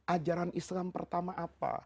ajaran islam pertama apa